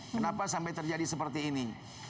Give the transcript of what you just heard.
kenapa sampai terjadi seperti ini